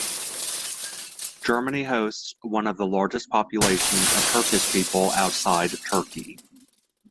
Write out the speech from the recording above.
Germany hosts one of the largest populations of Turkish people outside Turkey.